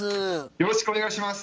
よろしくお願いします。